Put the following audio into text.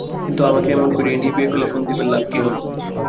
কিন্তু আমাকে এমন করে নিবিয়ে ফেলে সন্দীপের লাভ হল কী?